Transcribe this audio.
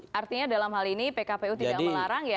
jadi dalam hal ini pkpu tidak melarang ya kebetulan gitu ya